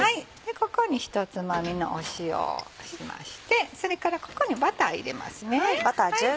ここに一つまみの塩をしましてそれからここにバター入れます。